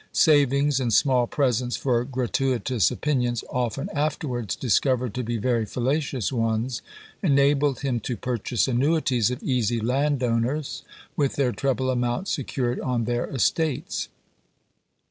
Savings, and small presents for gratuitous opinions, often afterwards discovered to be very fallacious ones, enabled him to purchase annuities of easy landowners, with their treble amount secured on their estates.